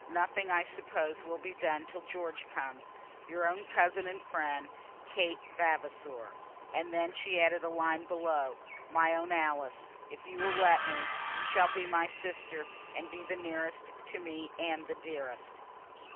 Nothing, I suppose, will be done till George comes. Your own cousin and friend, KATE VAVASOR." And then she added a line below, "My own Alice, If you will let me, you shall be my sister, and be the nearest to me and the dearest."